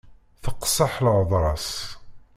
Teqseḥ lhedra-s.